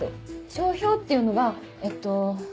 商標っていうのがえっと